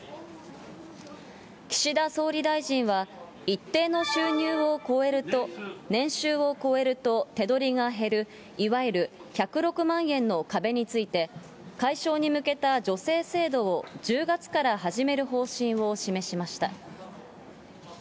岸田総理大臣は、一定の収入を超えると、年収を超えると、手取りが減るいわゆる１０６万円の壁について、解消に向けた助成制度を１０月から始める方針を示しました。